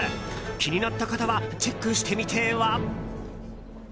気になった方はチェックしてみては？